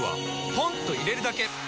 ポンと入れるだけ！